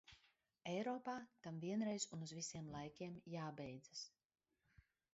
Eiropā tam vienreiz un uz visiem laikiem jābeidzas!